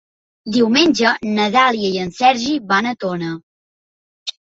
Diumenge na Dàlia i en Sergi van a Tona.